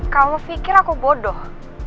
kamu pikir aku bodoh